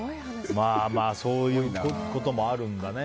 そういうこともあるんだね。